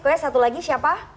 oke satu lagi siapa